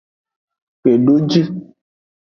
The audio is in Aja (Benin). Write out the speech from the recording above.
Kpedoji.